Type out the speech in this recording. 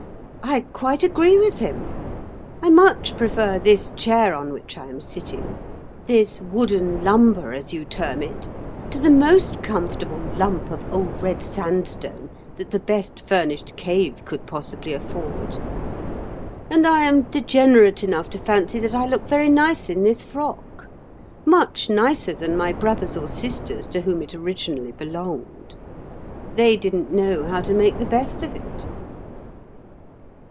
I quite agree with him. I much prefer this chair on which I am sitting—this 'wooden lumber,' as you term it—to the most comfortable lump of old red sandstone that the best furnished cave could possibly afford; and I am degenerate enough to fancy that I look very nice in this frock—much nicer than my brothers or sisters to whom it originally belonged: they didn't know how to make the best of it."